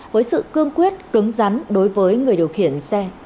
với sự cương quyết cứng rắn đối với người điều khiển xe